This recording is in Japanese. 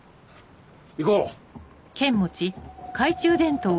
行こう！